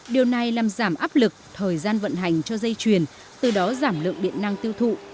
điều này làm giảm áp lực thời gian vận hành cho dây chuyền từ đó giảm lượng điện năng tiêu thụ